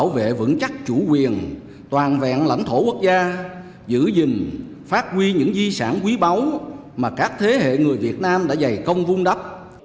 để vững chắc chủ quyền toàn vẹn lãnh thổ quốc gia giữ gìn phát huy những di sản quý báu mà các thế hệ người việt nam đã dày công vung đắp